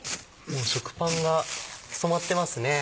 食パンが染まってますね。